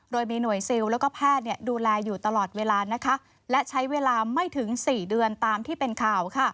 โดยมีหน่วยซิลแล้วก็แพทย์ดูแลอยู่ตลอดเวลานะคะและใช้เวลาไม่ถึง๔เดือนตามที่เป็นข่าว